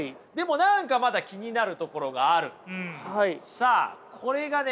さあこれがね